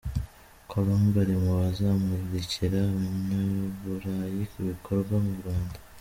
Colombe ari mu bazamurikira abanyaburayi ibikorerwa mu Rwanda.